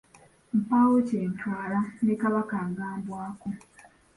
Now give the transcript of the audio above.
Mpaawo kyetwala, ne Kabaka agambwako.